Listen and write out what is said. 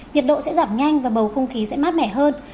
nhiệt độ sẽ giảm nhanh và bầu không khí sẽ mát mẻ hơn